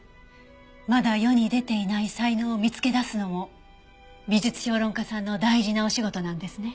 まだ世に出ていない才能を見つけ出すのも美術評論家さんの大事なお仕事なんですね。